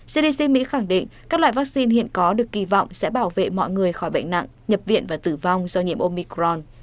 cdc mỹ khẳng định các loại vaccine hiện có được kỳ vọng sẽ bảo vệ mọi người khỏi bệnh nặng nhập viện và tử vong do nhiễm omicron